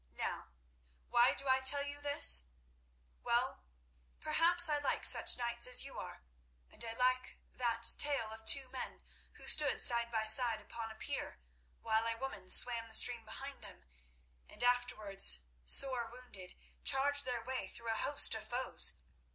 Now, why do I tell you this? Well, perhaps because I like such knights as you are, and I like that tale of two men who stood side by side upon a pier while a woman swam the stream behind them, and afterwards, sore wounded, charged their way through a host of foes.